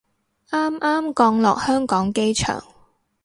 啱啱降落香港機場